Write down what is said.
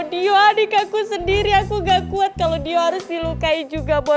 dio adik aku sendiri aku gak kuat kalau dio harus dilukai juga boy